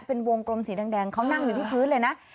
เป็นวงกลมสีแดงเขานั่งอยู่ที่พื้นเลยนะ